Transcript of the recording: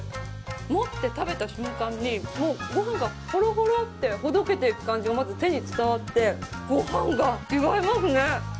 持って食べた瞬間に後半がほろほろってほどけていく感じが手に伝わってご飯が違いますね。